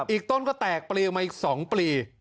อีกต้นก็แตกปลีออกมาอีก๒ปลี